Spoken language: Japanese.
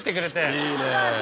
いいね。